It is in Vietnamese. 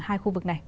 hai khu vực này